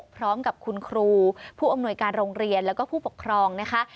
พร้อมกับคุณครูผู้อำนวยการโรงเรียนแล้วก็ผู้ปกครองนะคะ